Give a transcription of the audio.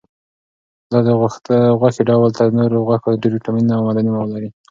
دا د غوښې ډول تر نورو غوښو ډېر ویټامینونه او معدني مواد لري.